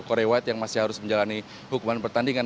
korea white yang masih harus menjalani hukuman pertandingan